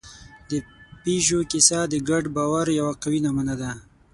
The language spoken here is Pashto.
د پيژو کیسه د ګډ باور یوه قوي نمونه ده.